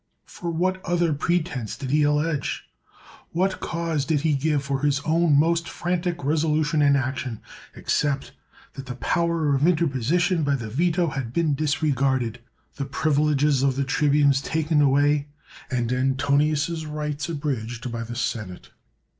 For what other pretense did he allege 1 What cause did he give for his own most frantic reso lution and action, except that the power of in terposition by the veto had been disregarded, the privileges of the tribunes taken away, and An tonius 's rights abridged by the senate?